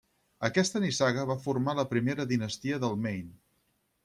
Aquesta nissaga va formar la primera dinastia del Maine.